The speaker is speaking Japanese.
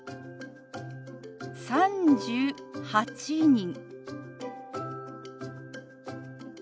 「３８人」。